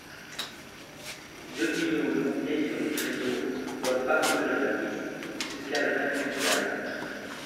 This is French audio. Deux binômes, montés sur les traineaux, doivent parcourir la piste jusqu'à la vingtième case.